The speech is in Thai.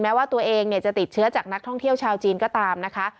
ว่าตัวเองจะติดเชื้อจากนักท่องเที่ยวชาวจีนก็ตามนะคะ